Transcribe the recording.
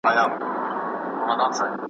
زه مي خپل جنون له هر کاروان څخه شړلی یم `